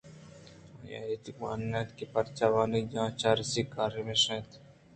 آئی ءَ ہچ گم نہ اَت پرچا کہ وانگجاہ ءِ چپراسیءِ کار ہمیش اِنت